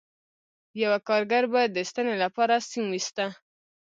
یوه کارګر به د ستنې لپاره سیم ویسته